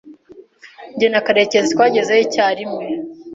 Jye na Karekezi twagezeyo icyarimwe.